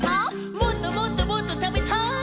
もっともっともっとたベタイ。